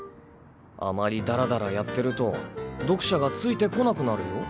あまりダラダラやってると読者がついてこなくなるよ。